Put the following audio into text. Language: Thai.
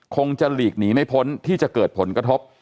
คงจะหลีกหนีไม่พ้นที่จะเกิดผลกระทบ